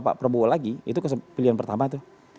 pak prabowo lagi itu pilihan pertama itu